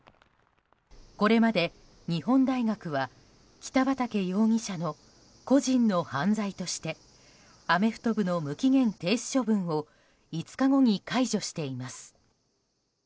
これまで、日本大学は北畠容疑者の個人の犯罪としてアメフト部の無期限停止処分を５日後に解除しています。